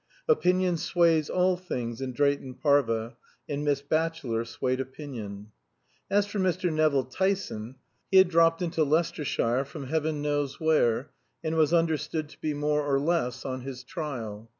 Opinion sways all things in Drayton Parva, and Miss Batchelor swayed opinion. As for Mr. Nevill Tyson, he had dropped into Leicestershire from heaven knows where, and was understood to be more or less on his trial.